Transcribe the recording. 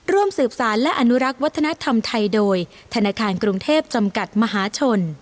ร่วมสืบสารและอนุรักษ์วัฒนธรรมไทยโดยธนาคารกรุงเทพจำกัดมหาชน